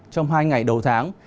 trong hai ngày đầu tháng